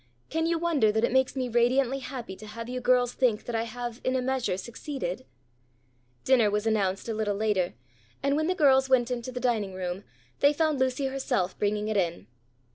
Can you wonder that it makes me radiantly happy to have you girls think that I have in a measure succeeded?" Dinner was announced a little later, and when the girls went into the dining room, they found Lucy herself bringing it in.